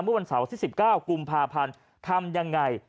เมื่อวันเสาร์ที่๑๙กุมภาพันธ์ทำยังไง